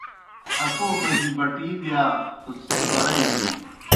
اکَو مجی بٹِی بِیا توْ څھے برَئی بی۔